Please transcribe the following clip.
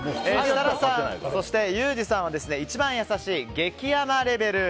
設楽さん、そしてユージさんはいちばんやさしい激甘レベル。